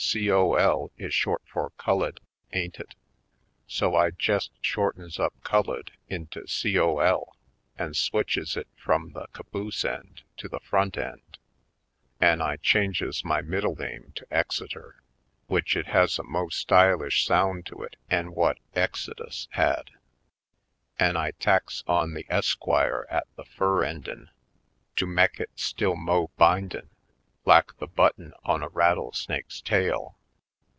" 'Col.' is short for 'cullid', ain't it? So I jest shortens up 'cullid' into 'Col.' an' switches it frum the caboose end to the front end. An' I changes my middle name to 'Exeter' w'ich it has a mo' stylish sound to it 'en whut 'Exodus' had. An' I tacks on the 'Esq.' at the fur endin' to mek it still mo' bindin', lak the button on a rattle snake's tail.